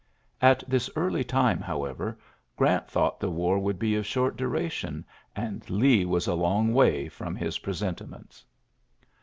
At this early time, however, Grant thought the war would be of short dura tion ; and Lee was a long way fi*om his presentiments.